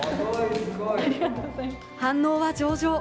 反応は上々。